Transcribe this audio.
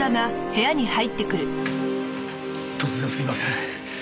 突然すみません。